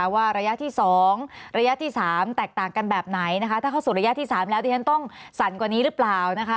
ว่าระยะที่๒ระยะที่๓แตกต่างกันแบบไหนถ้าเข้าสู่ระยะที่๓แล้วดิฉันต้องสั่นกว่านี้หรือเปล่า